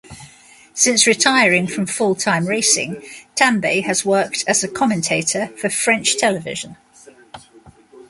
Since retiring from full-time racing, Tambay has worked as a commentator for French television.